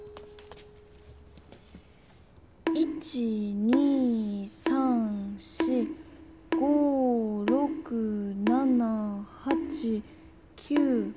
１２３４５６７８９。